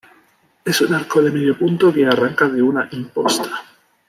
Es un arco de medio punto que arranca de una imposta.